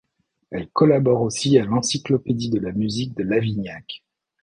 Elle collabore aussi à l’Encyclopédie de la musique de Lavignac.